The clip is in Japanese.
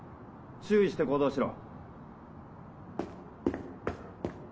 注意して行動しろ。